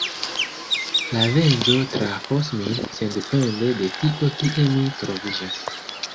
La venĝo trafos min sendepende de tio kie mi troviĝas.